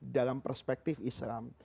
dalam perspektif islam